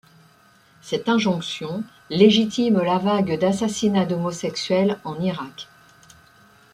Cette injonction légitime la vague d'assassinats d'homosexuels en Irak.